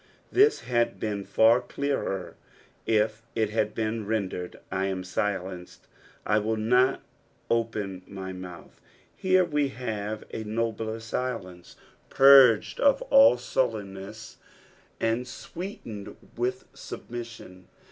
This had been far clearer if it had been tendered, " I am silenced, I will not open my mouth." Here we have a nobler silence, purged of nil sullenness, and aweetened with submission.